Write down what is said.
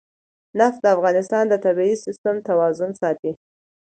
نفت د افغانستان د طبعي سیسټم توازن ساتي.